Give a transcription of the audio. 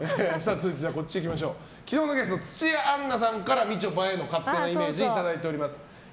続いて、昨日のゲスト土屋アンナさんからみちょぱへの勝手なイメージいただいております。